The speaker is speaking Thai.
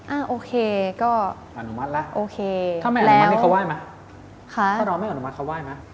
อ่าโอเคก็อเจมส์อนุมัติแล้วถ้าไม่อนุมัติเขาไหว้ไหม